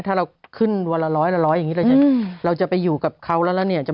ถ้าเราขึ้นวันละร้อยละร้อยอย่างนี้